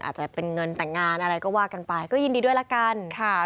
อาจจะเป็นเงินแต่งงานอะไรก็ว่ากันไปก็ยินดีด้วยละกันค่ะ